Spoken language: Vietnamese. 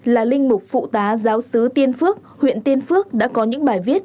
là linh mục phụ tá giáo sứ tiên phước huyện tiên phước đã có những bài viết